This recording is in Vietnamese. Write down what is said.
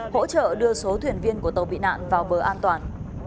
hỗ trợ đưa số thuyền viên của tàu bị nạn vào bờ an toàn